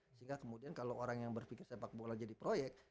sehingga kemudian kalau orang yang berpikir sepak bola jadi proyek